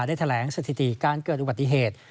ได้แถลงสถิติการเกิดอุบัติเหตุ